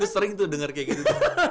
sering tuh denger kayak gitu